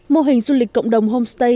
mô hình du lịch cộng đồng homestay